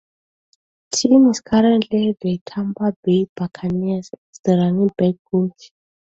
Tim is currently at the Tampa Bay Buccaneers as the running backs coach.